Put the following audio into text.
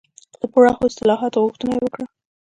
د پراخو اصلاحاتو غوښتنه یې وکړه.